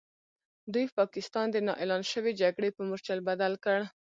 دوی پاکستان د نا اعلان شوې جګړې په مورچل بدل کړ.